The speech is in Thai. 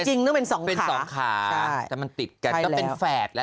จริงต้องเป็น๒ขาใช้แล้วแต่มันติดกันต้องเป็นแฝดน่ะ